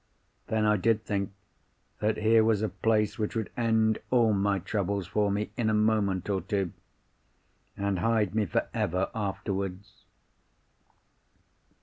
Then I did think that here was a place which would end all my troubles for me in a moment or two—and hide me for ever afterwards.